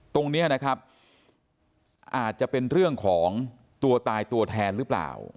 ตรงนี้นะครับอาจจะเป็นเรื่องของตัวตายตัวแทนหรือเปล่า